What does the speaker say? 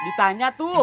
ditanya tuh